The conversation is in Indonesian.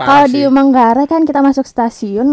kalau di manggarai kan kita masuk stasiun